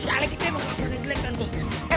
si alex itu emang pake jelek tante